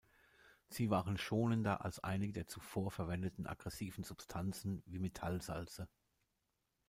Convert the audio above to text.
Sie waren schonender als einige der zuvor verwendeten aggressiven Substanzen wie Metallsalze.